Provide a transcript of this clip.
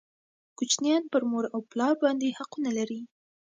کوچنیان پر مور او پلار باندي حقوق لري